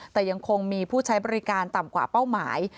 แต่ยังคงมีผู้ใช้บริการต่ำกว่าเป้าหมาย